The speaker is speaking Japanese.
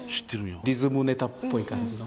リズムネタっぽい感じの。